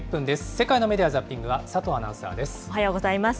世界のメディア・ザッピングは佐おはようございます。